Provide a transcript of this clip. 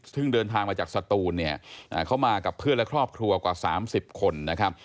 ซึ่งเดินทางมาจากสตูนเนี่ยเขามากับเพื่อนและครอบครัวกว่า๓๐คนนะครับ